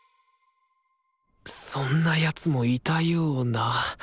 そんな奴もいたような。